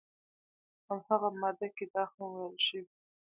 همغه ماده کې دا هم ویل شوي